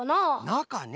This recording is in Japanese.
なかね。